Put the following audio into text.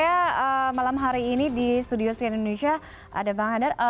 saya malam hari ini di studio cnn indonesia ada bang hadar